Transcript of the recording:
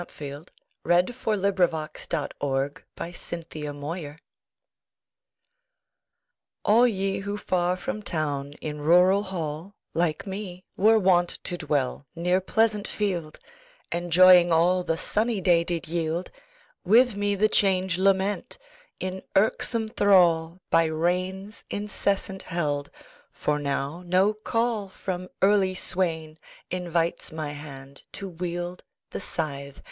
Q R . S T . U V . W X . Y Z Sonnet on a Wet Summer ALL ye who far from town in rural hall, Like me, were wont to dwell near pleasant field, Enjoying all the sunny day did yield, With me the change lament, in irksome thrall, By rains incessant held; for now no call From early swain invites my hand to wield The scythe.